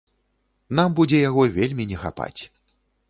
Нам будзе яго вельмі не хапаць.